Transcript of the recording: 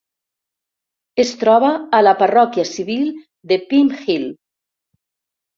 Es troba a la parròquia civil de Pimhill.